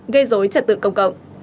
gây dối trật tự công cộng